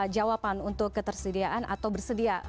jawaban untuk ketersediaan atau bersedia